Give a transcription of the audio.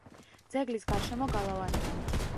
ძეგლის გარშემო გალავანია.